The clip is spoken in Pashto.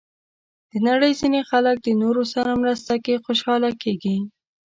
د نړۍ ځینې خلک د نورو سره مرسته کې خوشحاله کېږي.